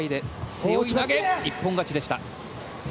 背負い投げ一本勝ちでした。